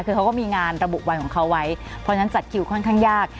คือเขาก็มีงานระบุวันของเขาไว้เพราะฉะนั้นจัดคิวค่อนข้างยาก